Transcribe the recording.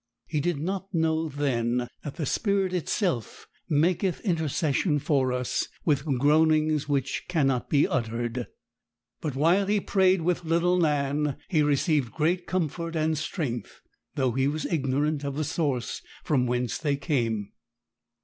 He did not know then that 'the Spirit itself maketh intercession for us with groanings which cannot be uttered;' but while he prayed with little Nan, he received great comfort and strength, though he was ignorant of the source from whence they came.